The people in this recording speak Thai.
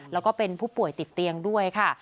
แล้วก็เป็นผู้ป่วยติดเตียงด้วยค่ะ